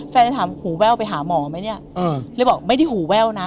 แฟนแล้วถามหูแววไปหาหมอไหมบอกไม่ได้หูแววนะ